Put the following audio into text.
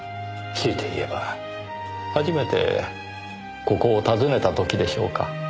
強いて言えば初めてここを訪ねた時でしょうか。